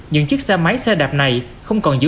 những chiếc xe máy xe đạp này không còn giữ